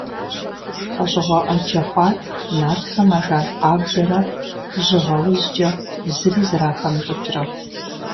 ЛӀэщӀыгъуэ Ӏэджэ хъуат нартхэм ажал къабзэрэ жьыгъэ узкӀэ зыри зэрахэмылӀыкӀрэ.